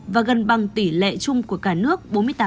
và gần bằng tỷ lệ chung của cả nước bốn mươi tám